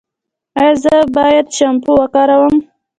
ایا زه باید شامپو وکاروم؟